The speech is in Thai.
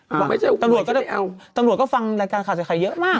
ตำรวจก็จะเดี๋ยวตำรวจก็ฟังรายการขาลใส่ไขเยอะมาก